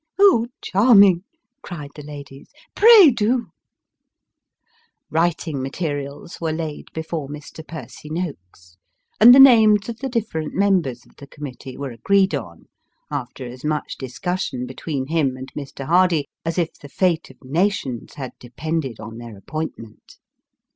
" Oh, charming !" cried the ladies. " Pray, do !" Writing materials were laid before Mr. Percy Noakes, and the names of the different members of the committee were agreed on, after as much discussion between him and Mr. Hardy as if the fate of nations had depended on their appointment.